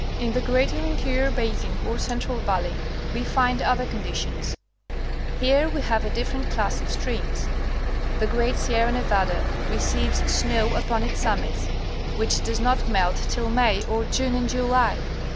In the greater interior basin or central valley, we find other con ditions. Here we have a different class of streams. The great Sierra Nevada receives snow upon its summits, which does not Irrigation, in California. 281 melt till May or June and July.